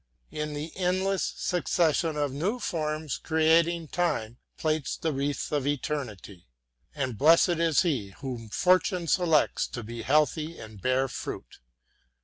In the endless succession of new forms creating Time plaits the wreath of Eternity, and blessed is he whom Fortune selects to be healthy and bear fruit.